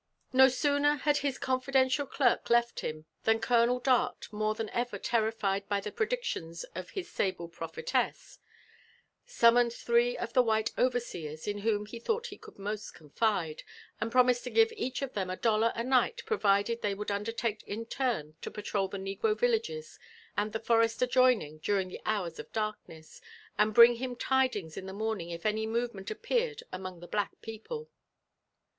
No sooner had his confidential elerk left him, than Colonel Dart, more than ever terrified by the predictions of his sable propheleas, anra « moned three of the while overseers, in whom he thought he eould most eonfide, and promised to give each of them a dollar a night provided they would undertake fn turn to patrol the negro villages and the forest adjoining during the hours of darkness, and bring him tidings in the tnorning if any movement appeared among the black people.